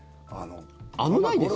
危ないですよね。